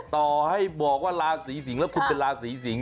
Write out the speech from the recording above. ต่อให้บอกว่าราศีสิงศ์แล้วคุณเป็นราศีสิง